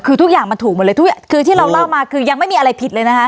คือทุกอย่างมันถูกหมดเลยทุกอย่างคือที่เราเล่ามาคือยังไม่มีอะไรผิดเลยนะคะ